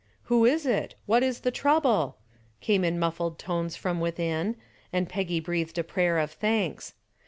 "Who is it? What is the trouble?" came in muffled tones from within, and Peggy breathed a prayer of thanks.